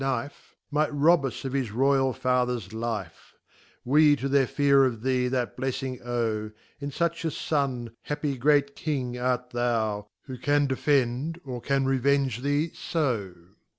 Keif Q Might rob us of his Royal Fathers Life, We to their fear of thee that blejfing ome , In fitch a Son, happy Great King art thon, Who can defend, or can revenge thee fo.